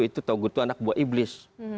itu togut itu anak buah iblis